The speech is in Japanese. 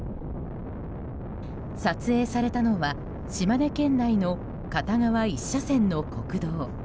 撮影されたのは島根県内の片側１車線の国道。